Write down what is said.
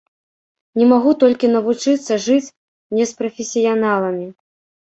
Не магу толькі навучыцца жыць не з прафесіяналамі.